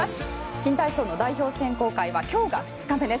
新体操の代表選考会は今日が２日目です。